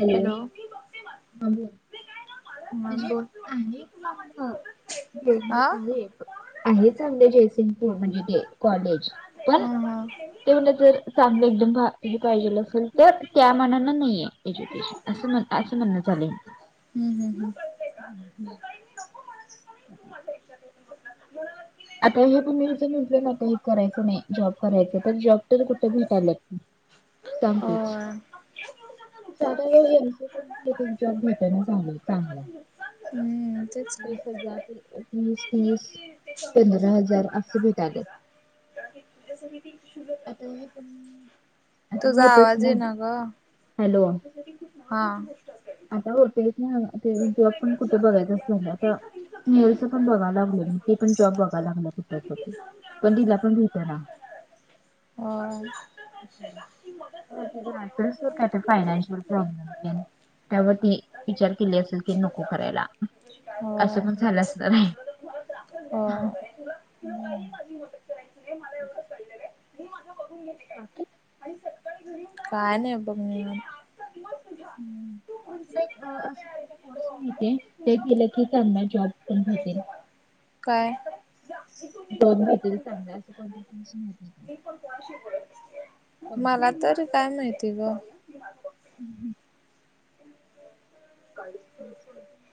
Hello ह बोल म्हणजे आले म्हणजे आ आले [unintelligible] आहेच म्हणे जयसिंगपूर म्हणजे ते कॉलेज पण ते म्हणजे जर चांगलं एकदम पाहिजे असेल तर त्या मानानं नाही एज्युकेशन अस, असं म्हणणच आलय हम्, हम्, हम् [unintelligible] [unintelligible] आता हे म्हण ज म्हटलं ना आता ह करायचं नाही जॉब करायचं तर जॉब तर कुठे भेटाल्यात सांग तुच. [unintelligible] जॉब भेटना चांगला चांगला. हम् तेच की. [unintelligible] वीस तीस पंधरा हजार असं भेटाल्यात. [inaudible] आता हेपण यातन तुझा होतच आवाज ना येईना ग. हॅलो. हा. आता होतयच ना ते जॉब पण कुठ बघायच अस झालय आता नीलच पण बघाय लागलोय म ती पण जॉब बघायला लागल्या कुठ कुठ पण तिला पण भेटना. होय. होय जरा असल सोड काय तर फायनान्शियल प्रॉब्लेम तेन त्यावरती विचार केले असेल की नको करायला. असं पण झालं असणार आहे. होय. हम्म [inaudible] बाकी? काय नाही बघ निवांत. हम्म भेदभाव असतो तर कोर्स मिळते ते केलं की त्यांना जॉब पण भेेटेल. काय? दोन मैत्री चांगल्या अस पण [unintelligible] मला तर काय माहिती ग. हम् हम्. [inaudible]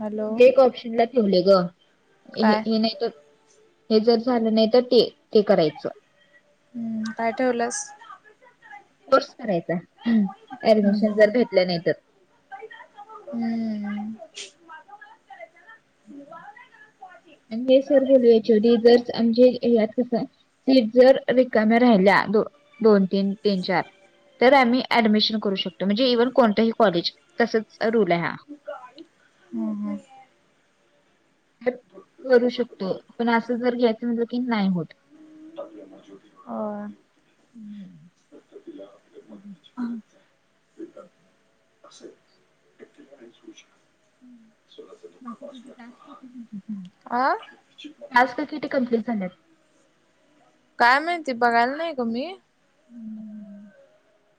हॅलो गेक ऑप्शन ला ठेवले ग. हे काय हे नाही तर हे जर झालं नाही तर ते ते करायचं. हम्म काय ठेवल्यास? कोर्स करायचा हा हम्म ऍडमिशन हम्म. जर भेटल नाही तर. हम्म. [unintelligible] आणि हे सर बोलले एच ओ डी जर आमचे ह्यात कस सीट जर रिकम्या राहिल्या दो दोन तीन तीन चार तर आम्ही ऍडमिशन करू शकतो म्हणजे इव्हन कोणतंही कॉलेज तसच रूल आहे हा. हम् हम्. करू शकतो पण असं जर घ्यायचं म्हणलं की नाही होत. होय. हा. [unintelligible] [inaudible] आ टास्क किती कंप्लीट झालेत? काय माहिती बघायला नाही ग मी.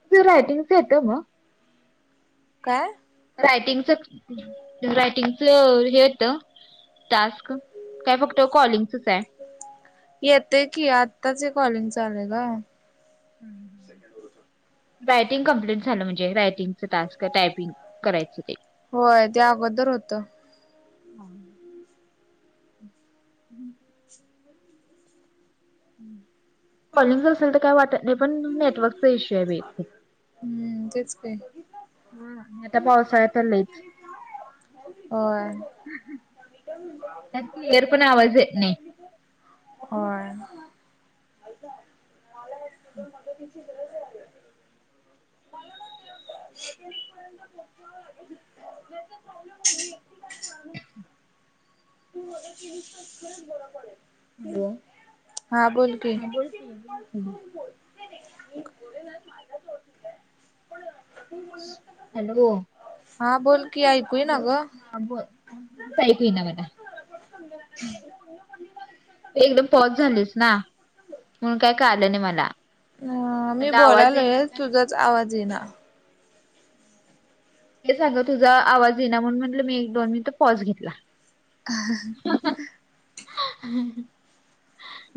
तुझ रायटिंगच येतं मग. काय? रायटिंगच रायटिंगच हे येत टास्क. काय फक्त कॉलिंगचच आय. येतय की, आत्ताच हे कॉलिंगच आलय ग. [unintelligible] रायटिंग कम्प्लीट झालं म्हणजे रायटिंगचं टास्क टायपिंग करायचं ते. होय ते अगोदर होतं. [inaudible] [inaudible] कॉलिंगच असेल तर काय वाटत नाही पण नेटवर्क पेशे बी हम्म तेच की हा आणि आता पावसाळ्यात तर लईच. होय. त्यात क्लिअर पण आवाज येत नाही. होय. [unintelligible] माला हॉस्पिटल मध्ये तीची गरज आहे अग. [unintelligible] हॅलो [unintelligible] हा बोल की हा [unintelligible] बोल की बोल की हॅलो. हा बोल की ऐकू ईना बोल ग. हा बोल काहीच ऐकू येईना मला. [unintelligible] ते एकदम पॉज झालीस ना मग काय काडल नाही मला. ह मी म्हणलं आवाज बोलालोय येईना च का? तुझाच आवाज ईना. ते आग तुझा आवाज ये ना म्हणून म्हटलं मी एक दोन मिनिटं पॉझ घेतला. ह हा. [unintelligible]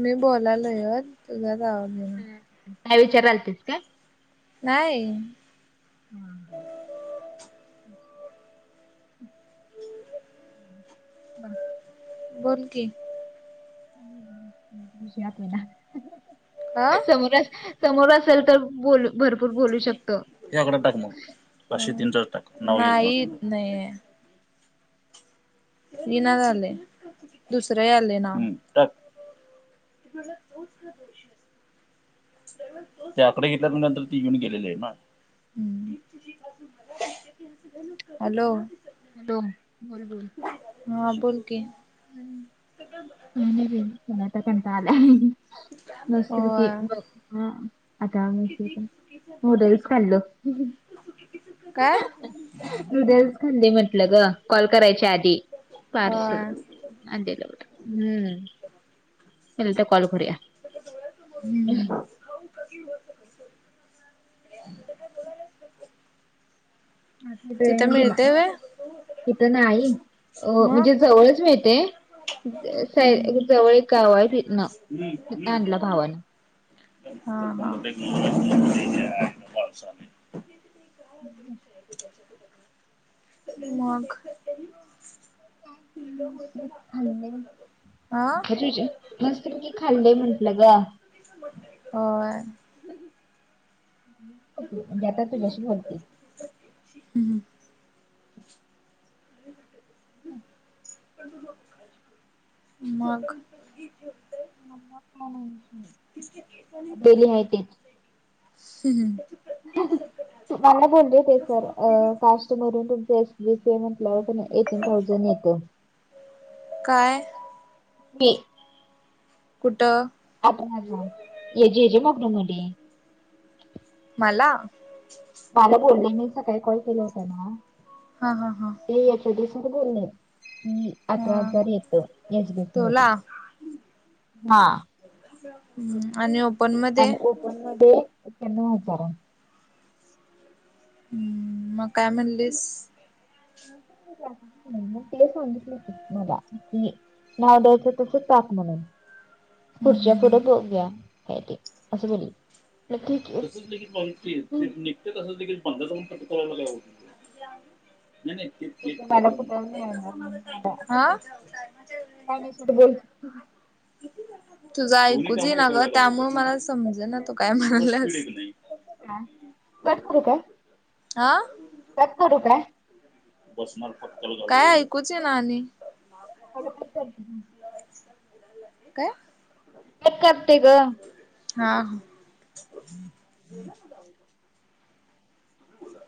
मी बोलालोय च तुझाच आवज येइना. काय विचारालतीत काय. नाही. हा. बन बोल की [unintelligible] आ समोरच समोर असेल तर बोलू भरपूर बोलू शकतो. ते आकडा टाक मग पाचशे तीन चाच टाक. नाही येत नाही. इना झालंय दुसरं यालय नाव. [unintelligible] ते आकडे घेतल्या नंतर ती येऊन गेलेली हाय ना. हम्म हॅलो हॅलो, बोल बोल. हा बोल की काय नाही बई मला आत कंटाळा आलाय. मस्त पैकी होय. हू आता मस्त पैकी नूडल्स खाल्लो. काय? दे म्हटलं ग कॉल करायच्या आधी पार्सल होय आणलेलं होत, हम्म. तर नंतर कॉल करूया. हम्म तिथं मिळतय व्हय [inaudible] तिथं नाही, अ मग म्हणजे जवळच मिळते ते अस आहे हम्म. जवळ एक गाव हे इथनं. [inaudible] हा हा [inaudible] [unintelligible] [unintelligible] मग मस्त पैकी खाल्लय आ [unintelligible] मस्त पैकी खाल्ले म्हटलं ग. होय. म्हणजे आता तुझ्याशी बोलते. हम्म. [inaudible] मग [unintelligible] डेली आहे तेच. [inaudible] मला बोलले ते सर, अ कास्ट मधून तुमच एक स्लिप आहे म्हंटल्यावर तुम्ही एक थाऊजंन येत. काय की कुठं? [unintelligible] मला मला बोलले, मी सकाळी कॉल केला होता ना हा हा हा. ते [unintelligible] बोलले, हम्म. अठरा हा. हजार येत, एस बी सी तोला मधून. हा. [unintelligible] आणि मध्ये आणि ओपन मध्ये ते नऊ हजार हाय. हम्म मग काय म्हणलीस? ठीक हाय मग मी ते सांगितलं मला की नाव द्यायचं तसचं टाकं म्हणून हम्म पुढच्या पुढं हम्म बघूया काय ते असं बोलले मग ती तसचं देखील पॉलिसी हाय पण ते निघते तसचं देखील [unintelligible] नाही नाही ते ते तसं मला कुठं ते मिळणार जसं माझ नाही मला टायमिंगचं [unintelligible] हाय असं हां [unintelligible] हम्म. तुझं ऐकूचं येई नाय गं त्यामुळे मला समजेना तू काय म्हणालासं हां कट करू काय? हां. कट करू काय [unintelligible] काय ऐकूच येईना आणि कट काय? मी करते गं. हां. बोला.